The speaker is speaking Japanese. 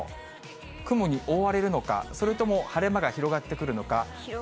雲に覆われるのか、それとも晴れ間が広がってくるのか。